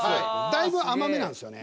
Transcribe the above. だいぶ甘めなんですよね。